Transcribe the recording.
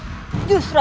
justru aku yang menjawab